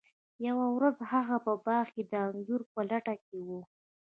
یوه ورځ هغه په باغ کې د انځر په لټه کې و.